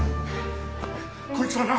こいつはな